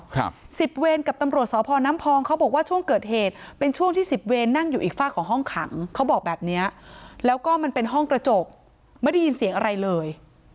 ครับสิบเวรกับตำรวจสพน้ำพองเขาบอกว่าช่วงเกิดเหตุเป็นช่วงที่สิบเวรนั่งอยู่อีกฝากของห้องขังเขาบอกแบบเนี้ยแล้วก็มันเป็นห้องกระจกไม่ได้ยินเสียงอะไรเลย